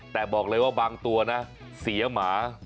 แต่บอกเลยว่าบางตัวนะเสียหมา